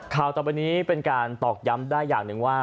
ข่าวต่อไปนี้เป็นการตอกย้ำได้อย่างหนึ่งว่า